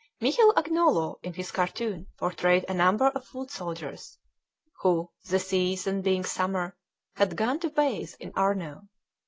Michel Agnolo in his cartoon portrayed a number of foot soldiers, who, the season being summer, had gone to bathe in Arno.